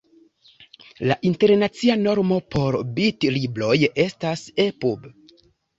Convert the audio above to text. La internacia normo por bitlibroj estas ePub.